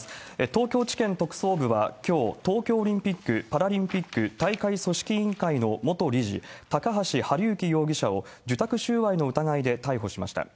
東京地検特捜部はきょう、東京オリンピック・パラリンピック大会組織委員会の元理事、高橋治之容疑者を、受託収賄の疑いで逮捕しました。